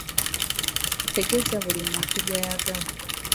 Tegeeza buli muntu by'ayagala.